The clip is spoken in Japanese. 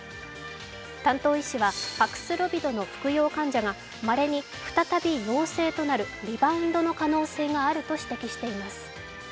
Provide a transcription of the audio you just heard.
担当医師は、パクスロビドの服用感者がまれに再び陽性となるリバウンドの可能性があると指摘しています。